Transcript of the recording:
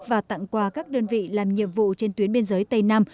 và tặng quà các đơn vị làm nhiệm vụ trên tuyến biên giới tây nam